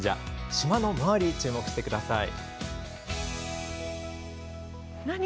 島の周りに注目してください。